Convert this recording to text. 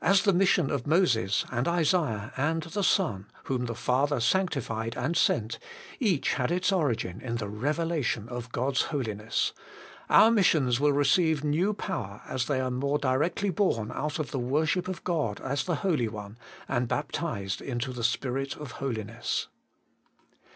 As the mission of Moses, and Isaiah, and the Son, whom the Father sanctified and sent, each had its origin in the revelation of God's Holiness, our missions will receive new power as they are more directly born out of the worship of God as the Holy One, and baptized into the Spirit of Holiness.